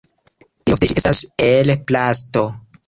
Plejofte ĝi estas el plasto.